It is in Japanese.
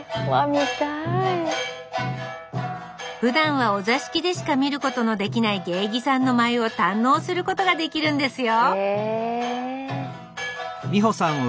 見たい。ふだんはお座敷でしか見ることのできない芸妓さんの舞を堪能することができるんですよ